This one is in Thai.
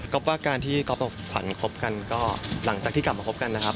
ว่าการที่ก๊อฟกับขวัญคบกันก็หลังจากที่กลับมาคบกันนะครับ